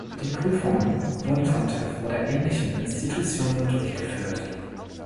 Die Prüfungen wurden vom TÜV oder ähnlichen Institutionen durchgeführt.